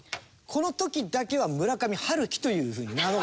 この時だけは村上春樹というふうに名乗る。